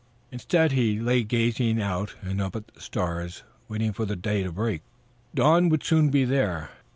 Instead he lay gazing out and up at the stars, waiting for the day to break. Dawn would soon be there.